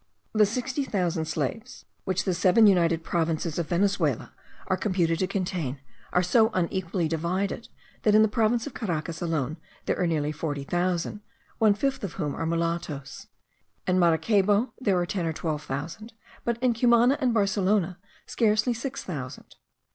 The sixty thousand slaves which the seven united provinces of Venezuela are computed to contain, are so unequally divided, that in the province of Caracas alone there are nearly forty thousand, one fifth of whom are mulattoes; in Maracaybo, there are ten or twelve thousand; but in Cumana and Barcelona, scarcely six thousand.